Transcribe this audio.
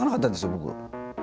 僕。